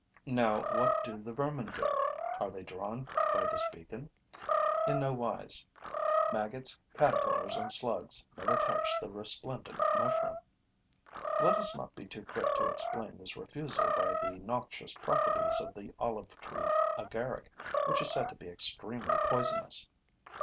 Now what do the vermin do? Are they drawn by this beacon? In no wise: maggots, caterpillars and slugs never touch the resplendent mushroom. Let us not be too quick to explain this refusal by the noxious properties of the olive tree agaric, which is said to be extremely poisonous.